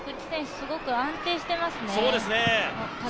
すごく安定してますね。